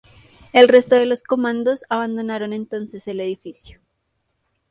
El resto de los comandos abandonaron entonces el edificio.